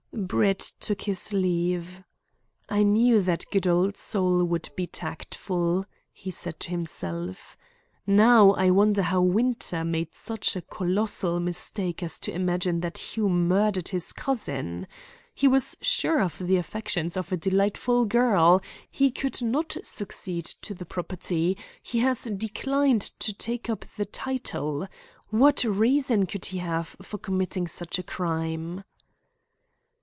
Brett took his leave. "I knew that good old soul would be tactful," he said to himself. "Now I wonder how Winter made such a colossal mistake as to imagine that Hume murdered his cousin. He was sure of the affections of a delightful girl; he could not succeed to the property; he has declined to take up the title. What reason could he have for committing such a crime?"